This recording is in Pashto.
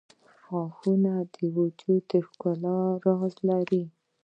• غاښونه د وجود د ښکلا راز لري.